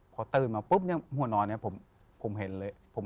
พอตื่นมาปุ๊บหัวนอนผมเห็นเลยครับ